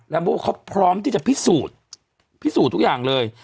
โบ้เขาพร้อมที่จะพิสูจน์พิสูจน์ทุกอย่างเลย